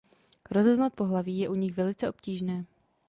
Rozeznat pohlaví je u nich velice obtížné.